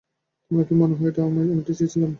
তোমার কি মনে হয় আমি এটা চেয়েছিলাম?